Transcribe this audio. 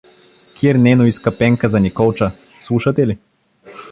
Кир Нено иска Пенка за Николча… Слушате ли?